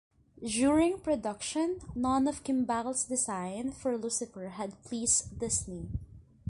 During production, none of Kimball's designs for Lucifer had pleased Disney.